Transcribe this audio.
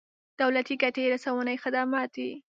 دولتي ګټې رسونې خدمات دي.